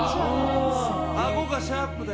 あごがシャープで。